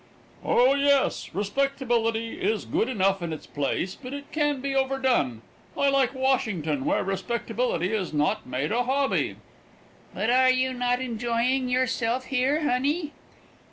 "Oh, yes, respectability is good enough in its place, but it can be overdone. I like Washington, where respectability is not made a hobby." "But are you not enjoying yourself here, honey?"